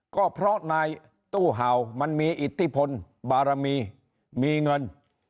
ก็เพราะนายตู้เห่ามันมีอิทธิพลบารมีมีเงิน